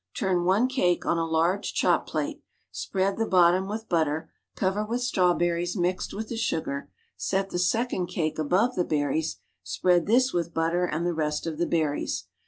Turn one cake on a largo chop plate, .spread the bot tom with butter, cover with strawberries mixed with the sugar, set the second cake above the berries, spread this with butter and the rest of the berries.